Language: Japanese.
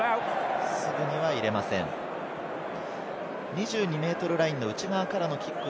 ２２ｍラインの内側からのキック。